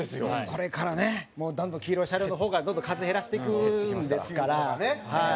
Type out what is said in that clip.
これからねどんどん黄色の車両の方がどんどん数減らしていくんですから。